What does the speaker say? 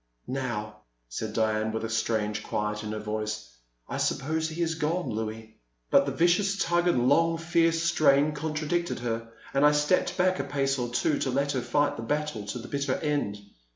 Now/' said Diane, with a strange quiet in her voice, I suppose he is gone, I<ouis.*' But the vicious tug and long, fierce strain con tradicted her, and I stepped back a pace or twG to let her fight the battle to the bitter end.